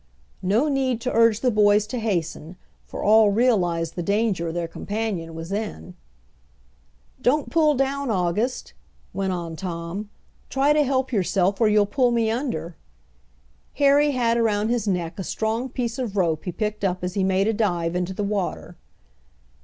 No need to urge the boys to hasten, for all realized the danger their companion was in. "Don't pull down, August," went on Tom. "Try to help yourself, or you'll pull me under." Harry had around his neck a strong piece of rope he picked up as he made a dive into the water.